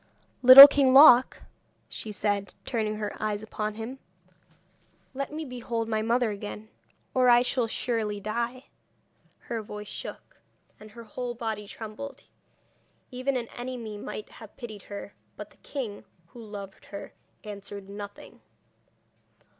'Little King Loc,' she said, turning her eyes upon him, 'let me behold my mother again, or I shall surely die.' Her voice shook, and her whole body trembled. Even an enemy might have pitied her; but the king, who loved her, answered nothing.